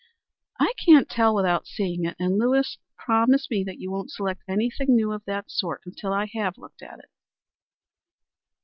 "I can't tell without seeing it. And, Lewis, promise me that you won't select anything new of that sort until I have looked at it."